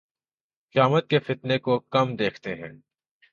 قیامت کے فتنے کو، کم دیکھتے ہیں